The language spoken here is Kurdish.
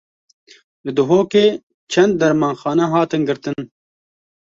Li Duhokê çend dermanxane hatin girtin.